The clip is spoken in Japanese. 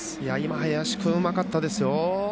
林君、うまかったですよ。